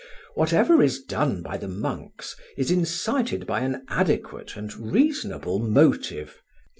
Whatever is done by the monks is incited by an adequate and reasonable motive.